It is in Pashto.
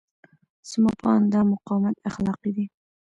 زما په اند دا مقاومت اخلاقي دی.